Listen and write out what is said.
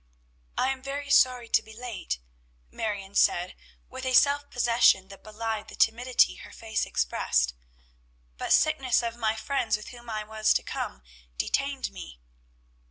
"I am very sorry to be late," Marion said with a self possession that belied the timidity her face expressed; "but sickness of my friends with whom I was to come, detained me."